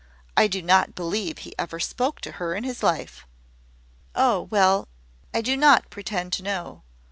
I do not believe he ever spoke to her in his life." "Oh, well; I do not pretend to know.